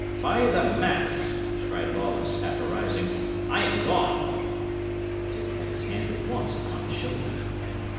"By the mass," cried Lawless, half arising, "I am gone!" But Dick had his hand at once upon his shoulder.